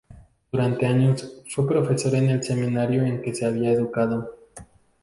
Durante años fue profesor en el seminario en que se había educado.